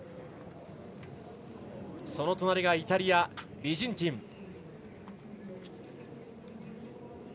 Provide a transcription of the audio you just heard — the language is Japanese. その隣、イタリアのビジンティン。